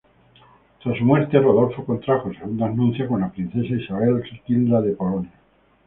Tras su muerte, Rodolfo contrajo segundas nupcias con la princesa Isabel Riquilda de Polonia.